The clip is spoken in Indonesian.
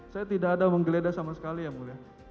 saya tidak ada menggeledah sama sekali ya mulia